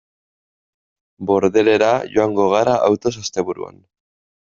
Bordelera joango gara autoz asteburuan.